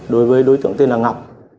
đối với đối tượng tên là ngọc